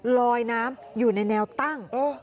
ลอยน้ำอยู่ในแนวตั้ง